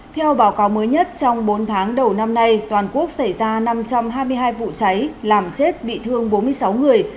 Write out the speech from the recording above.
theo báo cáo mới nhất trong bốn tháng đầu năm nay toàn quốc xảy ra năm trăm hai mươi hai vụ cháy làm chết bị thương bốn mươi sáu người